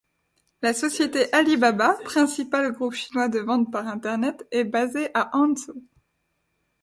La société Alibaba, principal groupe chinois de vente par Internet, est basé à Hangzhou.